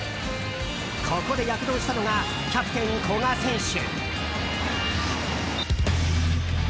ここで躍動したのがキャプテン、古賀選手。